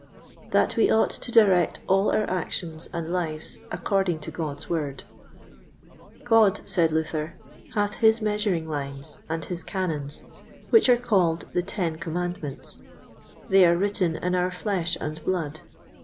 That we ought to direct all our Actions and Lives according to God's Word. God, said Luther, hath his measuring lines, and his canons, which are called the Ten Commandments; they are written in our flesh and blood.